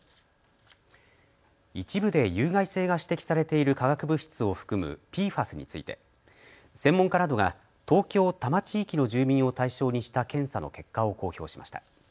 一部で有害性が指摘されている化学物質を含むＰＦＡＳについて専門家などが東京・多摩地域の住民を対象にした検査の結果を公表しました。